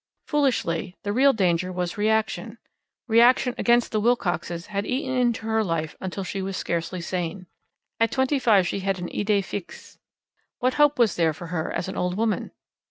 Foolishly: the real danger was reaction. Reaction against the Wilcoxes had eaten into her life until she was scarcely sane. At twenty five she had an idee fixe. What hope was there for her as an old woman?